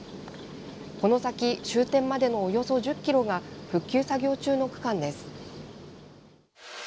この先、終点までのおよそ１０ｋｍが復旧作業中の区間です。